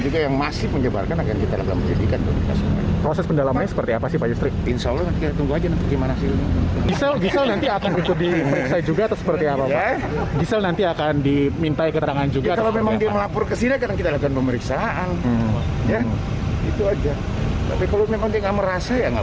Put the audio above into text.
ketika merasa ya nggak apa apa